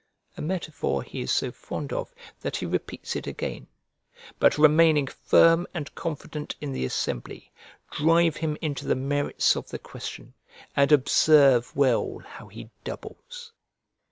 A metaphor he is so fond of that he repeats it again. "But remaining firm and confident in the assembly, drive him into the merits of the question, and observe well how he doubles."